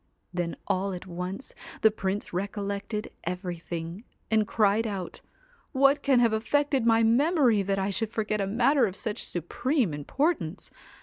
Then all at once the Prince recollected everything, and cried out * What can have affected my memory that I should forget a matter of such supreme importance